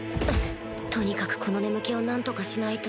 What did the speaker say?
とにかくこの眠気を何とかしないと